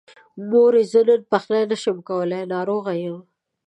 مورې! زه نن پخلی نشمه کولی، ناروغه يم.